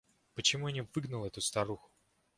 Почему я не выгнал эту старуху?